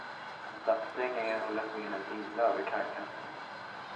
Hon satte sig ner och lät benen dingla över kajkanten.